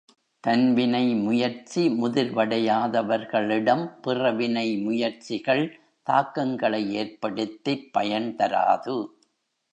தன்வினை முயற்சி முதிர்வடையாதவர்களிடம் பிறவினை முயற்சிகள் தாக்கங்களை ஏற்படுத்திப் பயன்தராது.